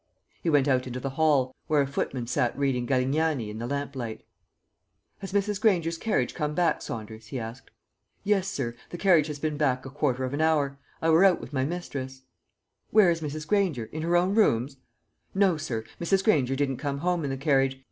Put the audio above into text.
He went out into the hall, where a footman sat reading Galignani in the lamplight. "Has Mrs. Granger's carriage come back, Saunders?" he asked. "Yes, sir; the carriage has been back a quarter of an hour. I were out with my mistress." "Where is Mrs. Granger? In her own rooms?" "No, sir; Mrs. Granger didn't come home in the carriage.